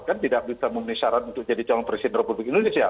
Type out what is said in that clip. kan tidak bisa memenuhi syarat untuk jadi calon presiden republik indonesia